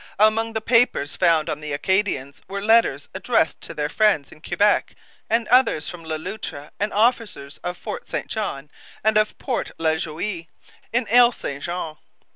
Among the papers found on the Acadians were letters addressed to their friends in Quebec and others from Le Loutre and officers of Fort St John and of Port La Joie in Ile St Jean.